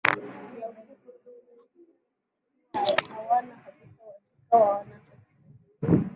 ya usiku tu huku wakiwa hawana kabisa uhakika na wanacho kisema